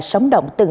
sống động từng trạng